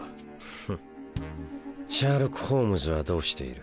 フッシャーロック・ホームズはどうしている？